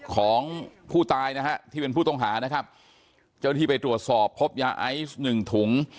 ของผู้ตายนะฮะที่เป็นผู้ต้องหานะครับเจ้าที่ไปตรวจสอบพบยาไอซ์หนึ่งถุง